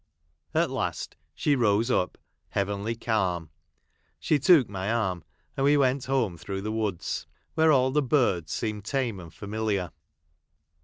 At last she rose up, heavenly calm. She took my arm, and we went home through the woods, where all the birds seemed tame and familiar.